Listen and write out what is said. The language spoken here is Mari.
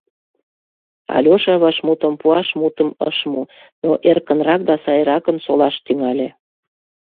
Алеша вашмутым пуаш мутым ыш му, но эркынрак да сайракын солаш тӱҥале.